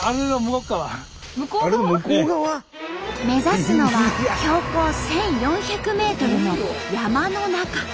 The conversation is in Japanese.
目指すのは標高１，４００ｍの山の中。